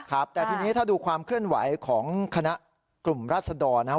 ครับแต่ทีนี้ถ้าดูความเคลื่อนไหวของคณะกลุ่มรัศดรนะครับ